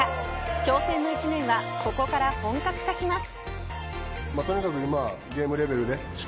挑戦の１年はここから本格化します。